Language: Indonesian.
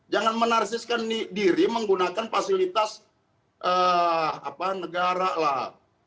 jangan menarsiskan diri menggunakan fasilitas negara lah